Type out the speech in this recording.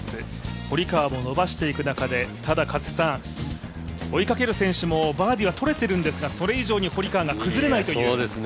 堀川も伸ばしていく中で、追いかける選手もバーディーは取れているんですが、それ以上に堀川が崩れないという。